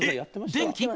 電気？